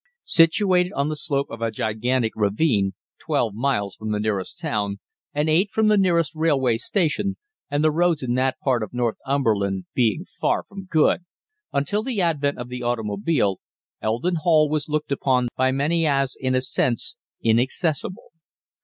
Situated on the slope of a gigantic ravine, twelve miles from the nearest town, and eight from the nearest railway station, and the roads in that part of Northumberland being far from good, until the advent of the automobile Eldon Hall was looked upon by many as, in a sense, inaccessible.